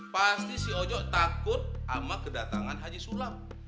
pasti si ojo takut sama kedatangan haji sulap